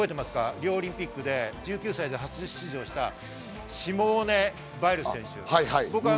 リオオリンピックで１９歳で初出場したシモーネ・バイルズ選手。